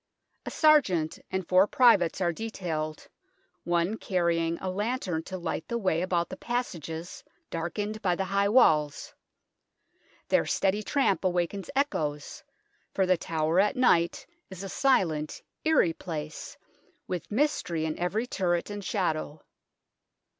A sergeant and four privates are detailed, one carrying a lantern to light the way about the passages darkened by the high walls. Their steady tramp awakens echoes, for The Tower at night is a silent, eerie place, with mystery in every turret and shadow.